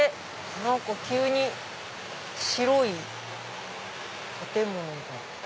何か急に白い建物が。